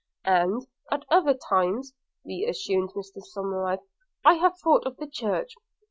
'And at other times,' re assumed Mr Somerive, 'I have thought of the church.